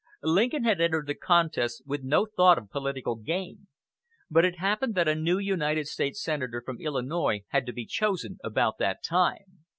Lincoln had entered the contest with no thought of political gain; but it happened that a new United States senator from Illinois had to be chosen about that time.